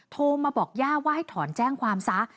โทรมาบอกย่าว่าให้ถอนแจ้งความซะ